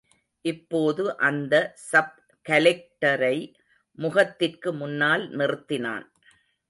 இப்போது அந்த சப் கலெக்டரை முகத்திற்கு முன்னால் நிறுத்தினான்.